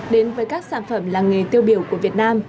đến với các sản phẩm làng nghề tiêu biểu của việt nam